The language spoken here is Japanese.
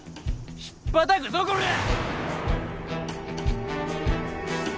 ひっぱたくぞこらぁ！